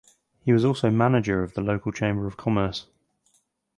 He was also manager of the local chamber of commerce.